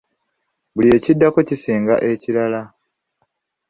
Buli ekiddako kisinga ekirala.